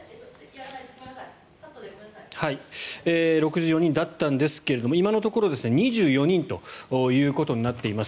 ６４人だったんですけども今のところ２４人ということになっています。